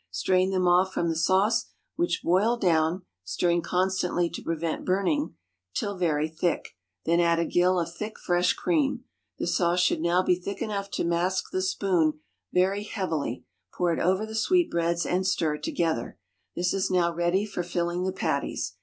Strain them off from the sauce, which boil down (stirring constantly to prevent burning) till very thick; then add a gill of thick fresh cream. The sauce should now be thick enough to mask the spoon very heavily; pour it over the sweetbreads, and stir together. This is now ready for filling the patties.